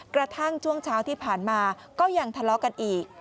กระทั่งช่วงเช้าที่ผ่านมาก็ยังทะเลาะกันอีก